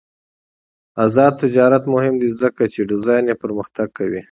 آزاد تجارت مهم دی ځکه چې ډیزاین پرمختګ کوي.